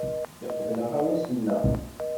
Yeqbel aɣawas-nneɣ.